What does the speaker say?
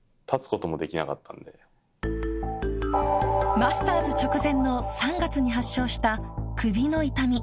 マスターズ直前の３月に発症した首の痛み。